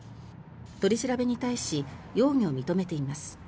取り調べに対し容疑を認めています。